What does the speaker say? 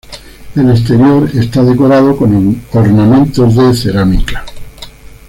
El exterior está decorado con ornamentos de cerámica.